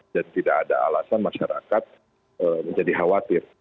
dan tidak ada alasan masyarakat menjadi khawatir